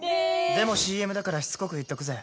でもＣＭだからしつこく言っとくぜ！